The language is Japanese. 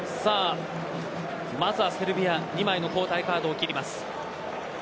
まずはセルビア２枚の交代カードを切ります。